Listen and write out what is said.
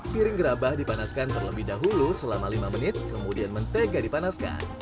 piring gerabah dipanaskan terlebih dahulu selama lima menit kemudian mentega dipanaskan